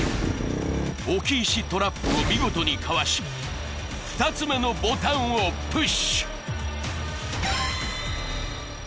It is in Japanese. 置き石トラップを見事にかわし２つ目のボタンをプッシュ！